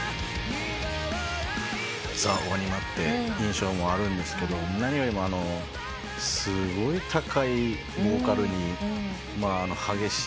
ザ・ＷＡＮＩＭＡって印象もあるんですけど何よりもすごい高いボーカルに激しいドラムに。